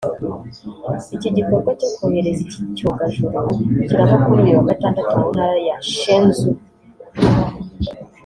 Iki gikorwa cyo kohereza iki cyogajuru kiraba kuri uyu wa Gatandatu mu Ntara ya Shenzhou